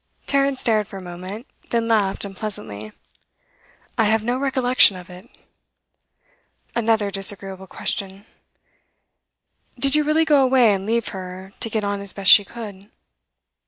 Tarrant stared for a moment, then laughed unpleasantly. 'I have no recollection of it.' 'Another disagreeable question. Did you really go away and leave her to get on as best she could?